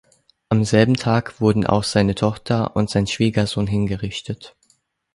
Am selben Tag wurden auch seine Tochter und sein Schwiegersohn hingerichtet.